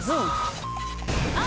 あ！